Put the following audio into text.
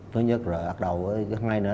thứ nhất là bắt đầu hôm nay nữa